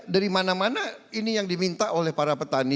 dari mana mana ini yang diminta oleh para petani